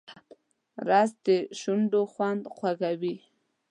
رس د شونډو خوند خوږوي